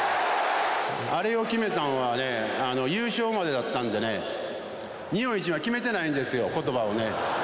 アレを決めたんはね、優勝までだったんでね、日本一は決めてないんですよ、ことばをね。